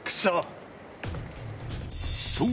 そう！